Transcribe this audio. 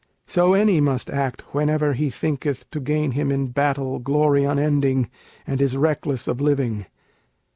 So any must act whenever he thinketh To gain him in battle glory unending, And is reckless of living.